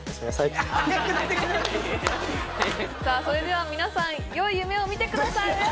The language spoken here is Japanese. それでは皆さん良い夢を見てください